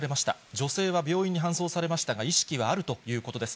女性は病院に搬送されましたが、意識はあるということです。